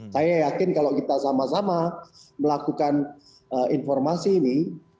saya yakin kalau kita sama sama melakukan informasi ini